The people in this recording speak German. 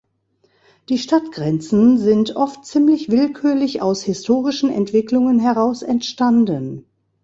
Die Stadtgrenzen sind oft ziemlich willkürlich aus historischen Entwicklungen heraus entstanden.